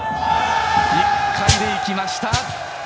１回で行きました！